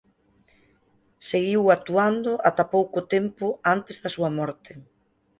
Seguiu actuando ata pouco tempo antes da súa morte.